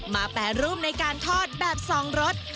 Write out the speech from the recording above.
มาแปรรูปในการทอดแบบสองรส